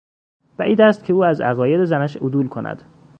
بعید است که او از عقاید زنش عدول کند.